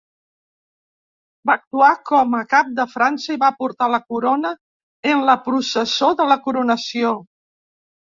Va actuar com a cap de França, i va portar la corona en la processó de la coronació.